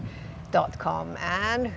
dan siapa yang akan menang